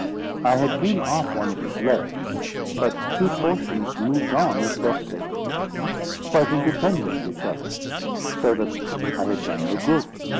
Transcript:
I had hewn off one of its legs, but the two portions moved on as best they could, quite independent of each other; so that I had done no good.